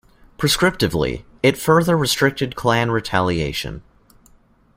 Proscriptively, it further restricted clan retaliation.